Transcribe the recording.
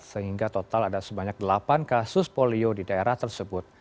sehingga total ada sebanyak delapan kasus polio di daerah tersebut